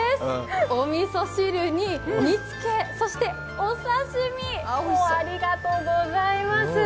おみそ汁に煮つけ、そしてお刺身、ありがとうございます。